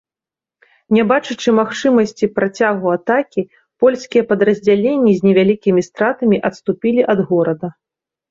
Не бачачы магчымасці працягу атакі, польскія падраздзяленні з невялікімі стратамі адступілі ад горада.